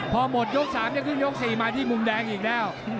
พอหมดยก๓จะขึ้นยก๔มาที่มุมแดงอีกแล้ว